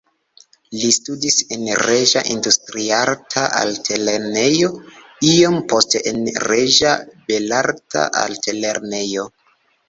Li studis en Reĝa Industriarta Altlernejo, iom poste en Reĝa Belarta Altlernejo.